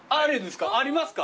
ありますか？